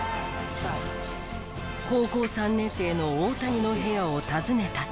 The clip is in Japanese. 高校３年生の大谷の部屋を訪ねたところ。